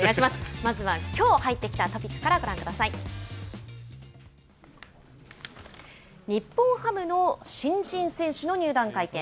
まずはきょう入ってきたトピックから日本ハムの新人選手の入団会見